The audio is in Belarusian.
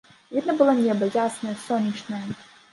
Відно было неба, яснае, сонечнае.